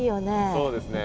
そうですね。